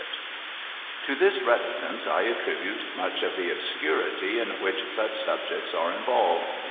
THE TRIAL FOR MURDER 399 To this reticence I attribute much of the obscurity in which such subjects are involved.